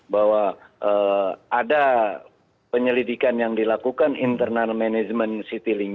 bahwa ada penyelidikan yang dilakukan internal management city link nya menemukan kesalahan